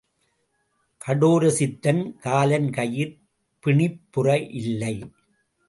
கடோரசித்தன் காலன் கையிற் பிணிப்புற இல்லை.